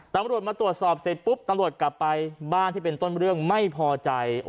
ตำรวจมาตรวจสอบเสร็จปุ๊บตำรวจกลับไปบ้านที่เป็นต้นเรื่องไม่พอใจ